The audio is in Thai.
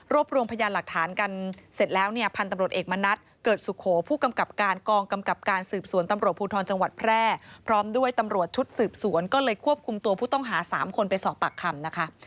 รวมรวมพยานหลักฐานกันเสร็จแล้วเนี่ยพันธุ์ตำรวจเอกมณัฐเกิดสุโขผู้กำกับการกองกำกับการสืบสวนตำรวจภูทรจังหวัดแพร่พร้อมด้วยตำรวจชุดสืบสวนก็เลยควบคุมตัวผู้ต้องหา๓คนไปสอบปากคำนะคะ